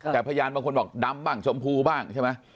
แต่พยานบางคนบอกดำบ้างชมพูบ้างใช่ไหม